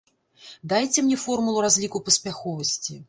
Дайце мне формулу разліку паспяховасці!